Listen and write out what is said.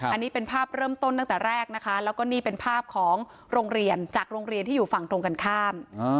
อันนี้เป็นภาพเริ่มต้นตั้งแต่แรกนะคะแล้วก็นี่เป็นภาพของโรงเรียนจากโรงเรียนที่อยู่ฝั่งตรงกันข้าม